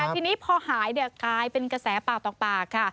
ทีนี้พอหายกลายเป็นกระแสปากต่อปากค่ะ